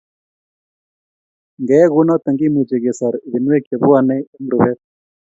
Ngeyai kounoto kemuchi kesor ebenwek chebwonei eng rubet